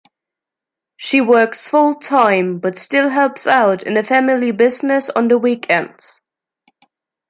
She works fulltime, but still helps out in the family business on the weekends.